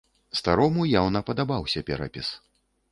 Старому яўна падабаўся перапіс.